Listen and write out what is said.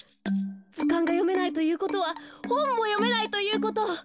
ずかんがよめないということはほんもよめないということ。